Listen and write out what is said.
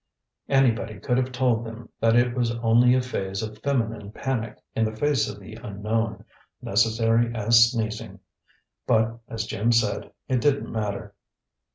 Anybody could have told them that it was only a phase of feminine panic in the face of the unknown, necessary as sneezing. But, as Jim said, it didn't matter.